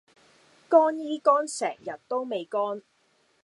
乾衣乾成日都未乾